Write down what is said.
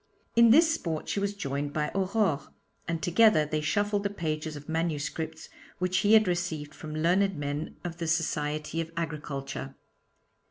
In this sport she was joined by Aurore, and together they shuffled the pages of manuscripts which he had received from learned men of the Society of Agriculture.